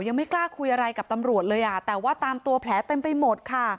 ยังไม่กล้าคุยอะไรกับตำรวจเลยอ่ะแต่ว่าตามตัวแผลเต็มไปหมดค่ะ